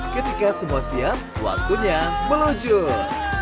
ketika semua siap waktunya meluncur